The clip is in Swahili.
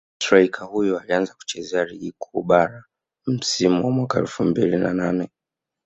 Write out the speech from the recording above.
Streika huyo alianza kuicheza Ligi Kuu Bara msimu wa mwaka elfu mbili na nane